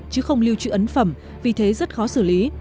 chứ không lưu trữ ấn phẩm vì thế rất khó xử lý